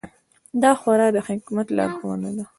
دا خورا د حکمت لارښوونه ده.